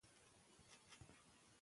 چاپېریال د انسان ګډ کور دی.